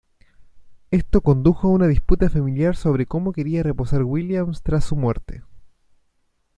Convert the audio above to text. Esto condujo a una disputa familiar sobre cómo quería reposar Williams tras su muerte.